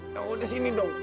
yaudah sini dong